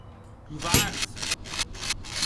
Covards!